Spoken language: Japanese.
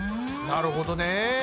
なるほどね。